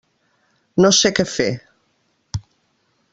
No sé què fer.